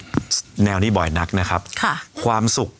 ผมจะมีรูปภาพของพระพิสุนุกรรม